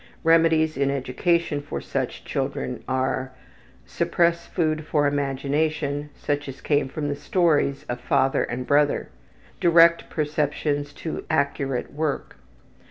Remedies in education for such children are: Suppress food for imagination, such as came from the stories of father and brother. Direct perceptions to accurate work.